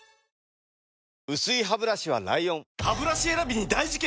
薄いハブラシは ＬＩＯＮハブラシ選びに大事件！